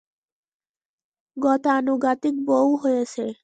গতানুগতিক বউ হয়েছ।